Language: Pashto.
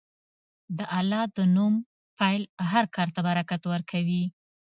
د الله د نوم پیل هر کار ته برکت ورکوي.